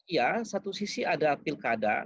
ya satu sisi ada pilkada